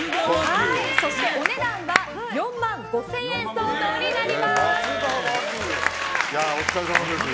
そして、お値段が４万５０００円相当になります。